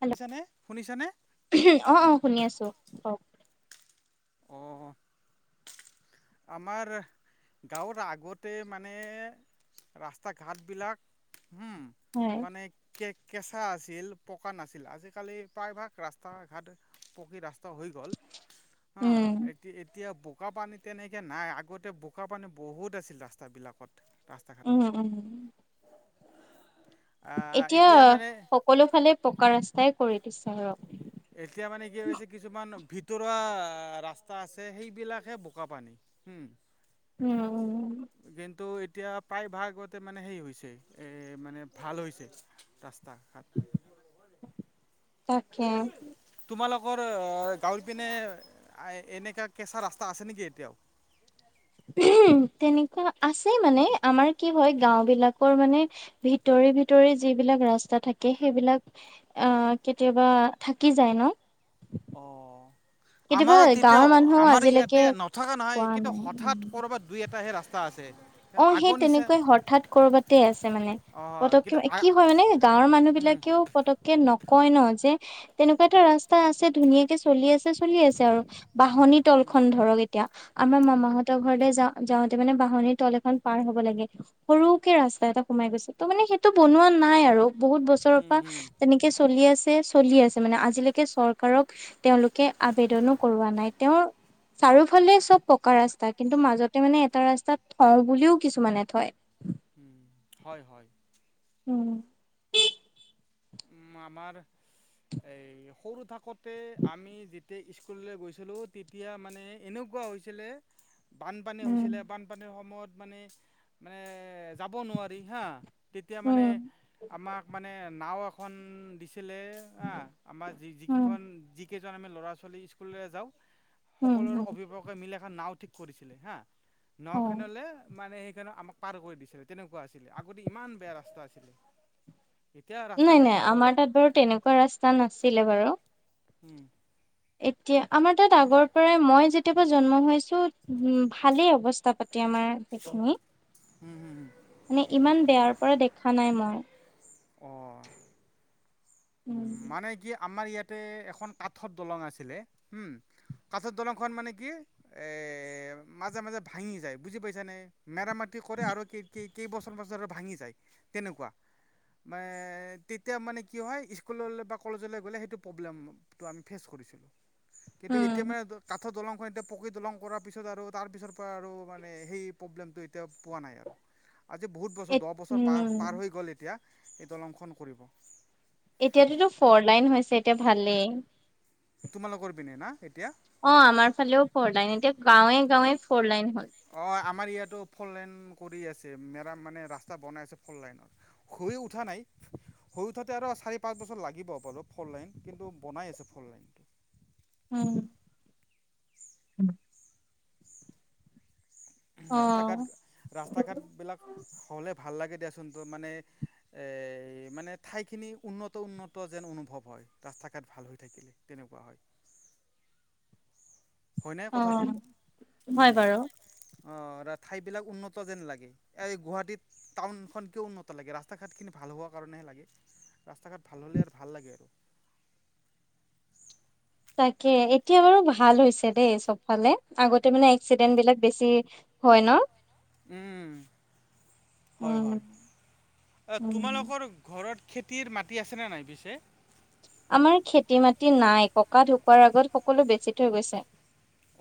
Hello শুনিছানে শুনিছানে? অ', অ', শুনি আছো কওক। অ'। আমাৰ গাঁৱৰ আগতে মানে ৰাস্তা ঘাটবিলাক হম হয় মানে কে-কেঁচা আছিল পকা নাছিল, আজিকালি প্ৰায়ভাগ ৰাস্তা ঘাট পকি ৰাস্তা হৈ গ'ল, হ উম এ-এতিয়া বোকা পানীত তেনেকৈ নাই আগতে বোকা পানী বহুত আছিল ৰাস্তাবিলাকত ৰাস্তা ঘাটত উম, উম। আহ এতিয়া মানে সকলো ফালে পকা ৰাস্তাই কৰি দিছে আৰু। এতিয়া মানে কি হৈছে কিছুমান ভিতৰুৱা ৰাস্তা আছে সেইবিলাকহে বোকা পানী। হম। উম, উম। কিন্তু এতিয়া প্ৰায়ভাগ আগতে মানে হেই হৈছে এ মানে ভাল হৈছে ৰাস্তা ঘাট। তাকে। তোমালোকৰ গাঁৱল পিনে এনেকা কেঁচা ৰাস্তা আছে নেকি এতিয়াও? তেনেকুৱা আছে মানে আমাৰ কি হয় গাও বিলাকৰ মানে ভিতৰি ভিতৰি যিবিলাক ৰাস্তা থাকে সেইবিলাক আহ, কেতিয়াবা থাকি যায় ন'! অ'। কেতিয়াবা আমাৰো তেতিয়া গাঁৱৰ মানুহেও আমাৰ আজিলৈকে ইয়াতে নথকা নহয় কোৱা কিন্তু নাই হঠাৎ উম কৰ'বাত দুই এটা হে ৰাস্তা আছে। অ', সেই আগৰ নিচা তেনেকুৱাই হঠাৎ কৰবাতে আছে মানে। অ পতকে কিন্তু কি হয় মানে গাঁৱৰ মানুহ হুম, বিলাকেও পতক কে নকয় ন' যে তেনেকুৱা এটা ৰাস্তা আছে ধুনীয়াকে চলি আছে চলি আছে আৰু বাহনী তল হুম, খন ধৰক এ তিয়া আমাৰ মামাহঁতৰ ঘৰলে যাওঁ যাওঁতে মানে বাহনিৰ তল খন পাৰ হ'ব লাগে সৰুকে ৰাস্তা এটা সোমাই গৈছে ত' মানে সেইটো বনোৱা নাই আৰু। বহুত বছৰৰ হুম, পৰা হুম, তেনেকে চলি আছে চলি আছে মানে আজিলৈকে চৰকাৰক তেওঁলোকে আবেদনো কৰোৱা নাই তেওঁৰ চাৰিওফালে চব পকা ৰাস্তা কিন্তু মাজতে মানে এটা ৰাস্তাত থওঁ বুলিও কিছুমানে থয়। উম হয় হয়। উম। উ মামাৰ এই সৰু থাকোঁতে আমি যেতিয়া স্কুললৈ গৈছিলোঁ তেতিয়া মানে এনেকুৱা হৈছিলে বানপানী উম হৈছিলে বানপানীৰ সময়ত মানে মানে যাব নোৱাৰি হা তেতিয়া মানে উম আমাক মানে নাও এখন দি চলে আ আমাৰ যি যিকেইখন-যিকেইজন আমি ল'ৰা ছোৱালী স্কুললৈ যাওঁ। সকলোৰে হুম অভিভাৱকে মিলা এখন নাও ঠিক কৰিছিলে হা অ নাওখনলে মানে সেইকাৰণ আমাক পাৰ কৰি দিছিলে তেনেকুৱা আছিলে আগতে ইমান বেয়া ৰাস্তা আছিলে এতিয়া ৰাস্তা নাই ঘাট নাই ভাল হ'ল আমাৰ তাত বাৰু তেনেকুৱা ৰাস্তা নাছিলে বাৰু। উম। এতিয়া আমাৰ তাত আগৰ পৰাই মই যে যেতিয়াপৰা জন্ম হৈছো উম ভালেই অৱস্থা পাতি আমাৰ সেইখিনি হম হুম হু মানে ইমান বেয়াৰ পৰা দেখা নাই মই অ', উম মানে কি আমাৰ ইয়াতে এখন কাঠত দলং আছিলে হম কাঠৰ দলংখন মানে কি এই মাজে মাজে ভাঙি যায় বুজি পাইছানে। মেৰাামতি কৰে আৰু কি কি কেইবছৰ পিছত আৰু ভাঙি যাই তেনেকুৱা তেতিয়া মানে কি হয় স্কুললৈ বা কলেজলৈ গ'লে সেইটো প্ৰব্লেমটো আমি ফেচ কৰিছিলোঁ কিন্তু এতিয়া মানে কাঠৰ দলংখন এতিয়া পকি দলং কৰাৰ পিছত আৰু তাৰ পিছৰ পৰা আৰু মানে সেই প্ৰব্লেমটো এতিয়া পোৱা নাই আৰু। [inaudible] আজি বহুত বছৰ এ দহ বছৰ পাৰ উম পাৰ হৈ গ'ল এতিয়া এই দলংখন কৰিব। এতিয়াতোটো ফৰ লাইন হৈছে এতিয়া ভালেই। তোমালোকৰ পিনে না এতিয়া। অ', আমাৰ ফালেও ফ'ৰ লাইন এতিয়া গাঁৱে গাঁৱে ফ'ৰ লাইন হ'ল। অ', আমাৰ ইয়াতো ফৰ লাইন কৰি আছে মেৰাম মানে ৰাস্তা বনাই আছে ফৰ লাইনৰ খুই উঠা নাই। সৰু উঠওঁতে আৰু চাৰি পাঁচ বছৰ লাগিব বাৰু ফৰ লাইন কিন্তু বনাই আছে ফৰ লাইনটো। উম। উম। ৰাস্তা অ ঘাট ৰাস্তা ঘাটবিলাক হ'লে ভাল লাগে দিয়াচোন তো মানে এই মানে ঠাইখিনি উন্নত উন্নত যেন অনুভৱ হয় ৰাস্তা ঘাট ভাল হৈ থাকিলে। তেনেকুৱা হয়। হয় নাই অ কথাটোও হয় উম। বাৰু অ', ঠাইবিলাক উন্নত যেন লাগে এই গুৱাহাটীত টাউনখনকে উন্নত লাগে ৰাস্তা ঘাটখিনি ভাল হোৱাৰ কাৰণেহে লাগে। ৰাস্তা ঘাট ভাল হ'লে আৰু ভাল লাগে। তাকে এতিয়া বাৰু ভাল হৈছে দেই চবফালে আগতে মানে এক্সিডেন্ট বিলাক বেছি হয় ন। উম হয় উম হয় উম তোমালোকৰ ঘৰত খেতিৰ মাটি আছেনে নাই পিছে। আমাৰ খেতি মাটি নাই ককা ঢুকোৱাৰ আগত সকলো বেচি থৈ গৈছে।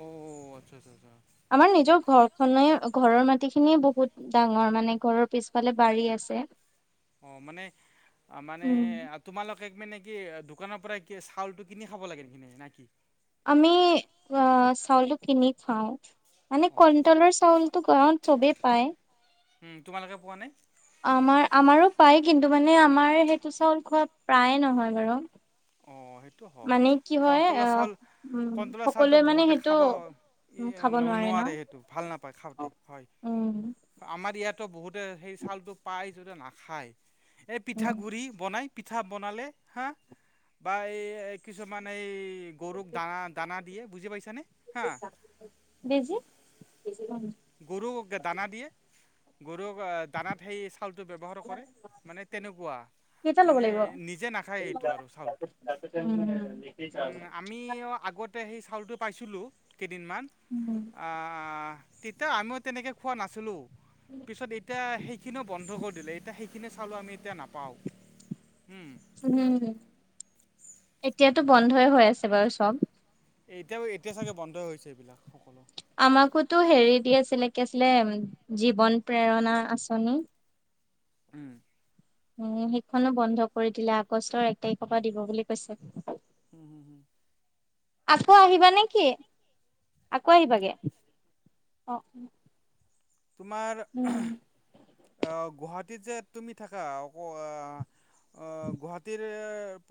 অ', আচ্ছা আচ্ছা আচ্ছা। আমাৰ নিজৰ ঘৰখনে ঘৰৰ মাটিখিনিয়ে বহুত ডাঙৰ মানে ঘৰৰ পিছফালে বাৰী আছে। অ', মানে মানে উম তোমালোকে মানে কি দোকানৰ পৰা কি চাউলটো কিনি খাব লাগে নে কি। আমি অ', চাউলো কিনি খাওঁ মানে অ কইটলৰ চাউলতো পাওঁ চবেই পায় তোমালোকে পোৱা নাই আমাৰ আমাৰো পায় কিন্তু মানে আমাৰ সেইটো চাউল খোৱা প্ৰায়ে নহয় বাৰু অ সেইটো হয় মানে কি হয় কনটলৰ আহ চাউল উম কণটোলৰ সকলোৱে চাউলটো মানে বহুতে সেইটো খাব উম খাব ন নোৱাৰে সেইটো ভাল নাপায় খাওঁতে হয় উম আমাৰ ইয়াতো বহুতে সেই চউলটো পায় যদি নাখায় এই উম পিঠাগুৰি বনাই পিঠা বনালে হা বা এই কিছুমান এই গৰুক দানা দানা দিয়ে বুজি পাইছানে হা বেজি গৰুক দানা দিয়ে গৰুক দানা খাই চাউলটো ব্যৱহাৰ কৰে মানে তেনেকুৱা কেইটা ল'ব মানে লাগিব নিজে নাখায় সেইটো আৰু চাউলটো উম উম আমি আগতে সেই চাউলটো পাইছিলোঁ কেইদিনমান। [unintelligible] অহ তেতিয়া আমিও তেনেকৈ খোৱা নাছিলোঁ পিছত এতিয়া সেইখিনিও বন্ধ কৰি দিলে এতিয়া সেই সিখিনি চাউলো আমি এতিয়া নাপাওঁ উম এতিয়াতো বন্ধই হৈ আছে বাৰু চব এতিয়াও এতিয়া চাগে বন্ধই হৈছে এইবিলাক আমাকোতো হেৰি দি আছিলে কি আছিলে জীৱন প্ৰেৰণা আঁচনি উম উম সেইকখনো বন্ধ কৰি দিলে আগষ্টৰ এক তাৰিখৰ পৰা দিব বুলি কৈছে হুম হুম হুম আকৌ আহিবা নে কি আকৌ আহিবাগে অ তোমাৰ উম গুৱাহাটীত যে তুমি থাকা অক গুৱাহাটীৰ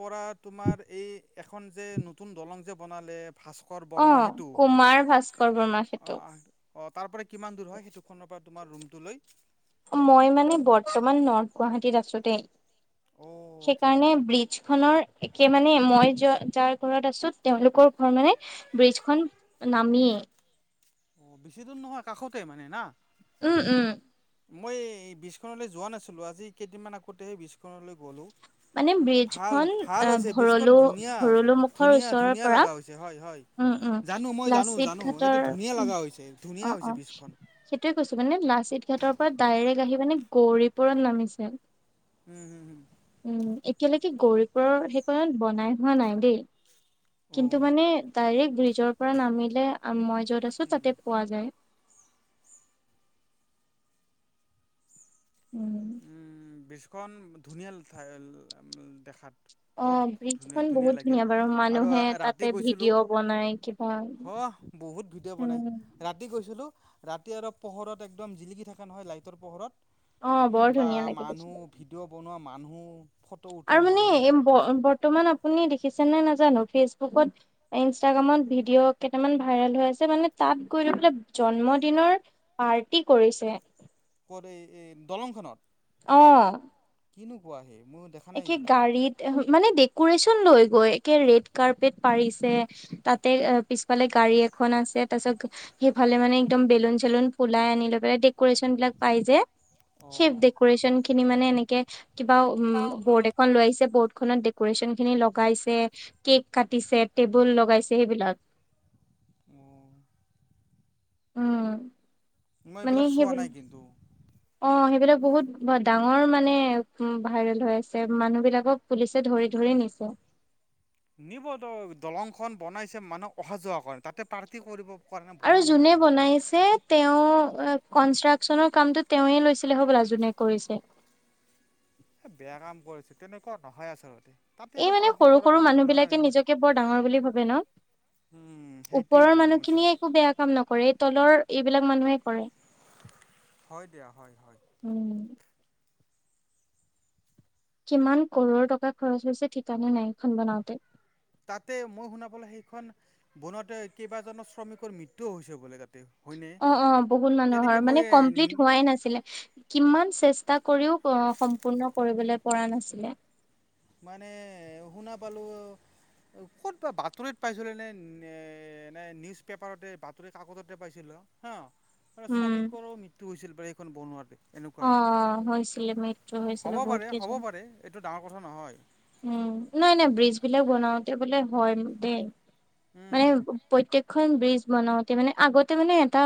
পৰা তোমাৰ এই এখন যে নতুন দলং যে বনালে ভাস্কৰ বৰ্মা সেতু অ কুমাৰ ভাস্কৰ বৰ্মা সেইটো অ তাৰ পৰা কিমান দূৰ হয় সেইটোখনৰ পৰা তোমাৰ ৰুমটো লৈ মই মানে বৰ্তমান নৰ্থ গুৱাহাটীত আছো দেই অ আচ্ছা আচ্ছা সেইকাৰণে আচ্ছা ব্ৰিজ যিখনৰ একে মানে মই য যাৰ ঘৰত আছো তেওঁলোক ক'ত ঘৰ মানে ব্ৰিজ খন নামিয়ে বেছি দূৰ নহয় কাষতে মানে না উম উম। মই এই ব্ৰিজখনলে যোৱা নাছিলোঁ আজি কেইদিনমান আগতেহে ব্ৰিজখনলৈ গ'লোঁ। মানে ব্ৰিজ ভাল খন ভাল আহ হৈছে বীজখন ভৰলো ধুনীয়া ভৰলো মুখৰ ধুনীয়া ওচৰৰ ধুনীয়া পৰা লগা হৈ- ছে হয় হয়, উম উম জানো মই জানো লাচিত জানো ঘাটৰ এইটো ধুনীয়া লগা হৈছে ধুনীয়া হৈছে বীজখন। সেইটোৱে কৈছো মানে লাচিত ঘাটৰ পৰা ডাইৰেক্ট আহি মানে গৌৰী পুৰণ নামিছে। উম হুম হুম। উম এতিয়ালৈকে গৌৰীপুৰৰ সেইকণত বনাই হোৱা নাই দেই। কিন্তু অ', মানে ডাইৰেক্ট ব্ৰিজৰ পৰা নামিলে মই য'ত আছো তাতে পোৱা যায়। উম। বীজখন ধুনীয়াই দেখাত। বত অ' ধুনীয়া ব্ৰিজখন ধুনীয়া বহুত লাগিল, বাৰু আৰু মানুহে ৰাতি তাতে গৈছিলোঁ ভিডিঅ' বনাই কিবা সহ বহুত ভিডিঅ' বনাই। উম। ৰাতি গৈছিলোঁ ৰাতি আৰু পোহৰত একদম জিলিকি থকা নহয় লাইটৰ পোহৰত। অ' ওম, বৰ বা ধুনীয়া লাগে মানুহ দেখিবলৈ। ভিডিঅ' বনোৱা মানুহ। ফটো আৰু উঠোৱা মানুহ মানে ব বৰ্তমান আপুনি দেখিছে নে নাজানো, ফেচবুকত ইনষ্টাগ্ৰামত ভিডিঅ' কেইটামান ভাইৰেল হৈ আছে মানে তাত গৈ ৰৈ পেলাই জন্মদিনৰ পাৰ্টি কৰিছে। ক'ত এই এই দলংখনত? অ। কিনো কোৱাহে মই দেখ- একে গাড়ীত মানে ডেকোৰেচন লৈ গৈ একে ৰেড কাৰ্পেট পাৰিছে - তাতে অ পিছফালে গাড়ী এখন আছে তাৰ পিছত- সেইফালে মানে একদম বেলুন চেলন ফুলাই আনিলৈ পেলাই দেড- কুৰেশ্যন বিলাক পাই যে, সেই অ', ডেকুৰেশ্যন খিনি মানে এনেকে কিবা খন লৈ আহিছে বৰ্ডখনত ডেকুৰেশ্যন খিনি লগাইছে কেক কাটিছে টেবুল লগাই- ছে সেইবিলাক। অ। উম। মই মানে এইবিলাক চোৱা সেইবিলাক নাই কিন্তু। অ সেইবিলাক বহুত ডাঙৰ মানে ভাইৰেল হৈ আছে মানুহ বিলাকক - পুলিচে ধৰি ধৰি নিছে। নিব টো দলংখন বনাইছে মানুহক অহা যোৱা কৰণে তাতে পাৰ্টি কৰিব কৰণে আৰু বনোৱা নাই যোনে নহয় এইখন। বনাইছে তেওঁ কনষ্ট্ৰাকচনৰ কামতো তেওঁয়ে লৈছিলে হ'বলা যোনে কৰিছে বেয়া কাম কৰিছে তেনেকুৱা নহয় আচলতে। তাতে এই আৰু মানে পাৰ্টি সৰু কৰাৰ সৰু কাৰণে মানুহ বনোৱা নাই বিলাকে নহয় নিজকে বৰ ডাঙৰ বুলি ভাবে ন। উম সেইটোৱে ওপৰৰ টো সমস্যা। মানুহখিনিয়ে একো বেয়া কাম নকৰে, এই তলৰ এইবিলাক মানুহে কৰে। হয় দিয়া হয় হয়। উম। কিমান কৰৰ টকা খৰচ হৈছে ঠিকানা নাই এইখন বনাওঁতে। তাতে মই শুনা পালো সেইখন বনাওতে কেইবাজনো শ্ৰমিকৰ মৃত্যু হৈছে বোলে তাতে। হয়নে অ অ বহুত তেনেকে মানুহৰ মানে কমপ্লিট মই হোৱাই নাছিলে কিমান চে- ষ্টা কৰিও সম্পূৰ্ণ কৰিবলে পৰা নাছিলে। মানে শুনা পালোঁ ক'ত বা বাতৰিত পাইছিলোঁ নে, এনে নিউজ পেপাৰতে বাতৰি কাকততে পাইছিলোঁ হা আৰু উম শ্ৰমিকৰো মৃত্যু হৈছিল বা, এইখন বনোৱাতে। এনেকুৱা অ হৈছিলে মৃত্যু হৈছিলে হ'ব বহুত পাৰে, হ'ব কেইজন। পাৰে এইটো ডাঙৰ কথা নহয়। উম নাই নাই ব্ৰিজ বিলাক বনাওতে বোলে হয় দেই, মানে উম প্ৰত্যেকখন ব্ৰিজ বনাওঁতে মানে আগতে মানে এটা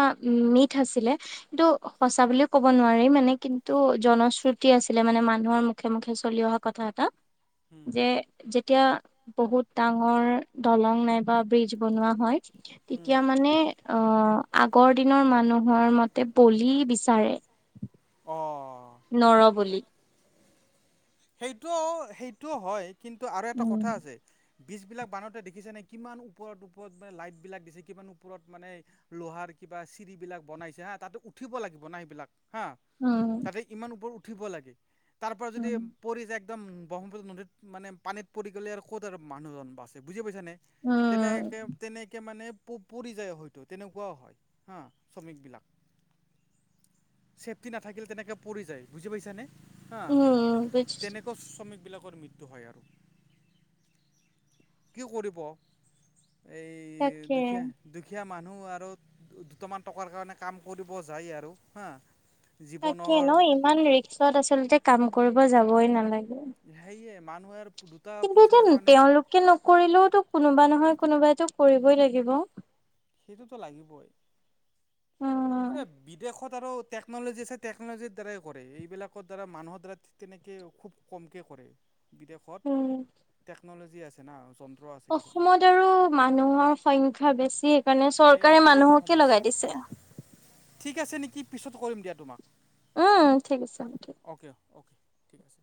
মিথ আছিলে কিন্তু সঁচা বুলিও ক'ব নোৱাৰি, মানে কিন্তু জনশ্ৰুতি আছিলে মানে মানুহৰ মুখে মুখে চলি অহা কথা এটা উম যে যেতিয়া বহুত ডাঙৰ দলং নাইবা ব্ৰিজ বনোৱা হয় উম তেতিয়া মানে আহ আগৰ দিনৰ মানুহৰ মতে বলি বিচাৰে। অহ'। নৰ-বলি। সেইটোও-সেইটোও হয় কিন্তু আৰু এটা উম কথা আছে বীজবিলাক বানওঁতে দেখিছেনে কিমান ওপৰত ওপৰত মানে লাইটবিলাক দিছে, কিমান ওপৰত মানে লোহাৰ কিবা চিৰিবিলাক বনাইছে হা, তাতে উঠিব লাগিব না সেইবিলাক। হাঁ উম তাতে ইমান ওপৰত উঠিব লাগে, তাৰ পৰা যদি পৰি যায় একদম ব্ৰহ্মপুত্ৰ নদীত, মানে পানীত পৰি গ'লে আৰু ক'ত আৰু মানুহজন বাছে বুজি পাইছ নে উম তেনেকে তেনেকে মানে প-পৰি যায় হয়তো তেনেকুৱাও হয় হা শ্ৰমিকবিলাক। চেফটি নাথাকিলে তেনেকে পৰি যায় বুজি পাইছানে হা। উম বুজ তেনেকৈ শ্ৰমিকবিলাকৰ মৃত্যু হয় আৰু। কি কৰিব, এই তাকে দুখীয়া দুখীয়া মানুহ আৰু দুটামান টকাৰ কাৰণে কাম কৰিব যায় আৰু হা। তাকে জীৱনৰ ন ইমান ৰিক্সত আচলতে কাম কৰিব যাবই নালাগে। সেইয়াই মানুহে দুটা কিন্তু পইচাৰ এতিয়া কাৰণে তেওঁলোকে নকৰিলেওতো কোনোবা নহয় কোনোবাইটো কৰিবই লাগিব। সেইটোতো লাগিবই। উম। এতিয়া বিদেশত আৰু টেকন'লজি আছে টেকন'লজিৰ দ্বাৰাই কৰে, এইবিলাকৰ দ্বাৰা মানুহৰ দ্বাৰা তেনেকে খুব কমকে কৰে, বিদেশত উম টেকন'লজি আছে না আছে কিছুমান অসমত আৰু মানুহৰ সংখ্যা বেছি কাৰণে এই চৰকাৰী সেয়েতো মানুহকে সমস্যা লগাই দিছে। ঠিক আছে নেকি পিছত কৰিম দিয়া তোমাক। উম ঠিক আছে হ'ব দিয়ক। অ'কে, অ'কে ঠিক আছে।